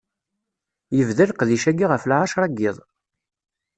Yebda leqdic-agi ɣef lɛecra n yiḍ.